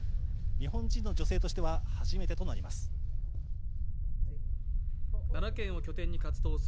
日本人の女性としては初めてとなります。